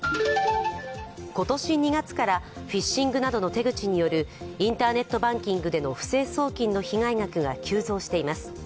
今年２月からフィッシングなどの手口によるインターネットバンキングでの不正送金の被害額が急増しています。